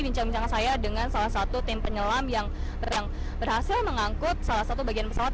bincang bincang saya dengan salah satu tim penyelam yang berhasil mengangkut salah satu bagian pesawat